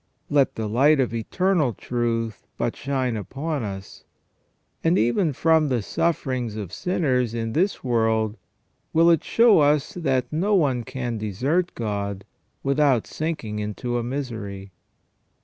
Let the light of Eternal Truth but shine upon us, and even from the sufferings of sinners in this world will it show us that no one can desert God without sinking into misery.